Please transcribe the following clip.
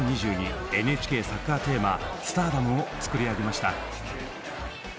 ＮＨＫサッカーテーマ「Ｓｔａｒｄｏｍ」を作り上げました。